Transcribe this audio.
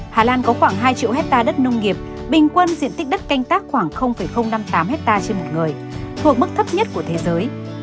hà lan có khoảng hai triệu hectare đất nông nghiệp bình quân diện tích đất canh tác khoảng năm mươi tám hectare trên một người thuộc mức thấp nhất của thế giới